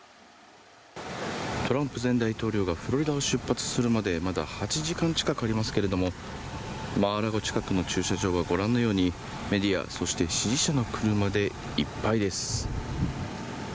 トランプ前大統領がフロリダを出発するまでまだ８時間近くありますけれどもマー・ア・ラゴ近くの駐車場はご覧のようにメディア、そして支持者の車でいっぱいです。